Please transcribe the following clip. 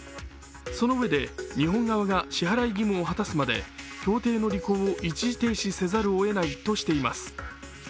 そのうえで日本側が支払義務を果たすまで協定の履行を一時停止せざるをえないとしています。